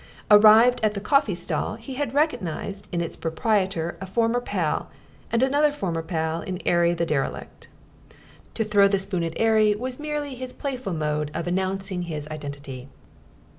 Arrived at the coffee stall he had recognised in its proprietor a former pal and another former pal in 'Arry the derelict. To throw the spoon at 'Arry was merely his playful mode of announcing his identity.